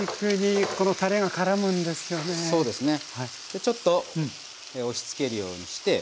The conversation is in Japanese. でちょっと押しつけるようにして。